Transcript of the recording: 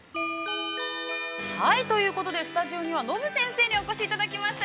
◆ということで、スタジオにはｎｏｂｕ先生にお越しいただきました。